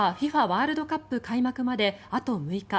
ワールドカップ開幕まであと６日。